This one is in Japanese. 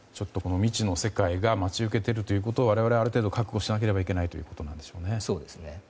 未知の世界が待ち受けているということを我々はある程度覚悟しなければいけないということなんでしょうね。